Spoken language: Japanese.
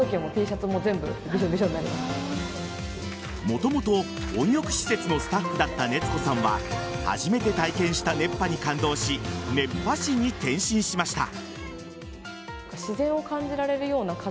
もともと温浴施設のスタッフだった熱子さんは初めて体験した熱波に感動し熱波師に転身しました。